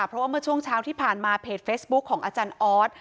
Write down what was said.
เพราะว่าเมื่อช่วงเช้าที่ผ่านมาเพจเฟซบุ๊คของอาจารย์ออส